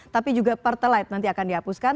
tapi juga pertalite nanti akan dihapuskan